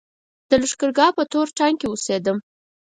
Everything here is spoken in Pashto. د لښکرګاه په تور ټانګ کې اوسېدم.